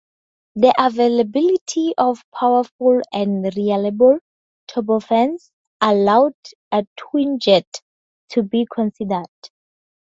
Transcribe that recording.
The availability of powerful and reliable turbofans allowed a twinjet to be considered.